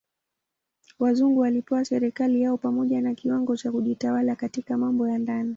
Wazungu walipewa serikali yao pamoja na kiwango cha kujitawala katika mambo ya ndani.